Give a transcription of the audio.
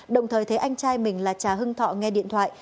đồng thời thấy anh trai mình là cha hưng thọ nghe điện thoại